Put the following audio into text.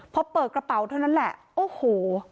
พอเปิดกระเป๋าเท่านั้นแหละโอ้โห